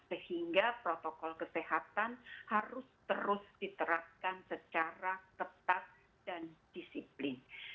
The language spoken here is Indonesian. sehingga protokol kesehatan harus terus diterapkan secara ketat dan disiplin